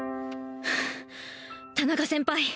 田中先輩